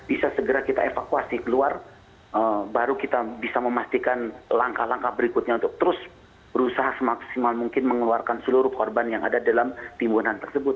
bisa segera kita evakuasi keluar baru kita bisa memastikan langkah langkah berikutnya untuk terus berusaha semaksimal mungkin mengeluarkan seluruh korban yang ada dalam timbunan tersebut